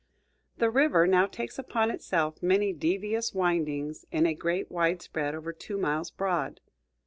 The river now takes upon itself many devious windings in a great widespread over two miles broad.